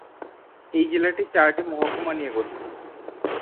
এই জেলাটি চারটি মহকুমা নিয়ে গঠিত।